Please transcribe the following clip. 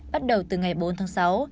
bắt đầu từ ngày bốn tháng sáu